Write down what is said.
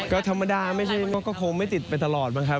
ก็ธรรมดาไม่ใช่ก็คงไม่ติดไปตลอดบ้างครับ